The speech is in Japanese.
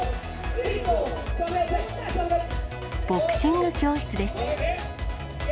ボクシング教室です。